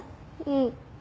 うん。